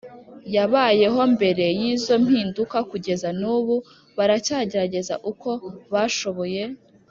yabayeho mbere y izo mpinduka kugeza nubu baracyagerageza uko bashoboye